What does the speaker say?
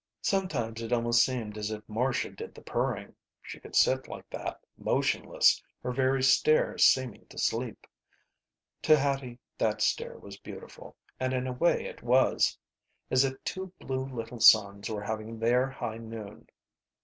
Sometimes it almost seemed as if Marcia did the purring. She could sit like that, motionless, her very stare seeming to sleep. To Hattie that stare was beautiful, and in a way it was. As if two blue little suns were having their high noon.